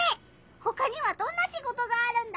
ほかにはどんなシゴトがあるんだ？